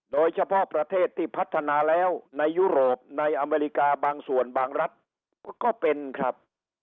โดยเฉพาะประเทศที่พัฒนาแล้วในยุโรปในอเมริกาบางส่วนบางรัฐก็เป็นครับ